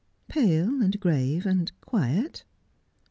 ' Pale, and grave, and quiet.'